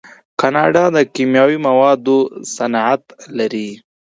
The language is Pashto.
کاناډا د کیمیاوي موادو صنعت لري.